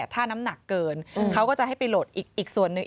ถ้าน้ำหนักเกินเขาก็จะให้ไปโหลดอีกส่วนหนึ่ง